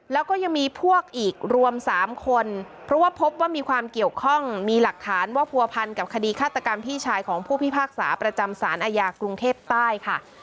แล้วก็ยังมีพวกอีกรวม๓คนเพราะว่าพบว่ามีความเกี่ยวข้องมีหลักฐานว่าผัวพันกับคดีฆาตกรรมพี่ชายของผู้พิพากษาประจำสารอาญากรุงเทพใต้ค่ะ